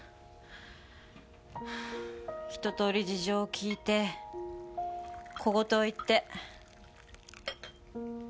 一通り事情を聞いて小言を言って。